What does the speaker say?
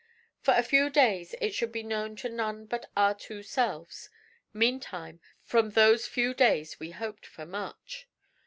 For a few days it should be known to none but our two selves; meantime, from those few days we hoped for much.